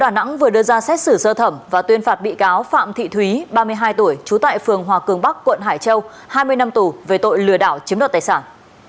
tp đà nẵng vừa đưa ra xét xử sơ thẩm và tuyên phạt bị cáo phạm thị thúy ba mươi hai tuổi trú tại phường hòa cường bắc quận hải châu hai mươi năm tù về tội lừa đảo chiếm đoạt tài sản